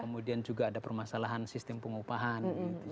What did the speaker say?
kemudian juga ada permasalahan sistem pengupahan